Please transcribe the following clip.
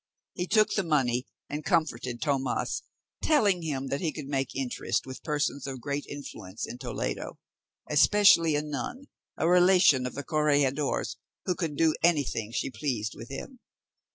He took the money and comforted Tomas, telling him that he could make interest with persons of great influence in Toledo, especially a nun, a relation of the corregidor's, who could do anything she pleased with him.